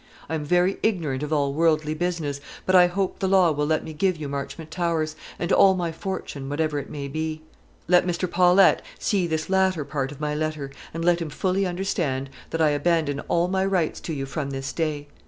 I am very ignorant of all worldly business, but I hope the law will let me give you Marchmont Towers, and all my fortune, whatever it may be. Let Mr. Paulette see this latter part of my letter, and let him fully understand that I abandon all my rights to you from this day.